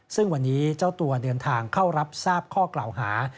ซึ่งวันนี้เจ้าตัวเดินทางเข้ารับทราบข้อกล่าวหา